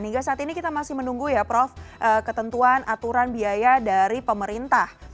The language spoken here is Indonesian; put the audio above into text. hingga saat ini kita masih menunggu ya prof ketentuan aturan biaya dari pemerintah